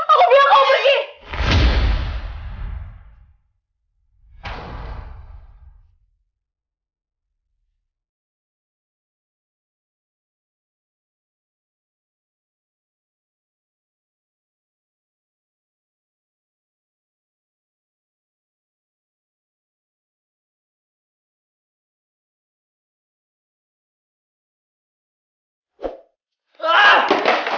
aku bilang kau pergi